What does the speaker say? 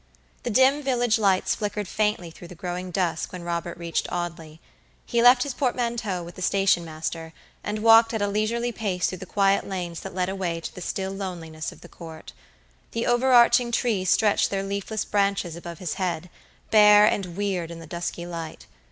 The dim village lights flickered faintly through the growing dusk when Robert reached Audley. He left his portmanteau with the station master, and walked at a leisurely pace through the quiet lanes that led away to the still loneliness of the Court. The over arching trees stretched their leafless branches above his head, bare and weird in the dusky light.